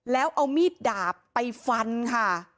แล้วเอามีดดาบไปฟันค่ะ